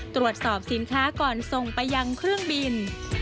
ตรวจสอบสินค้าก่อนส่งไปยังเครื่องบิน